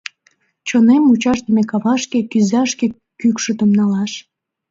Чонем мучашдыме кавашке Кӱза шке кӱкшытшым налаш.